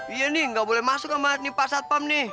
iya nih nggak boleh masuk kembali pasat pam nih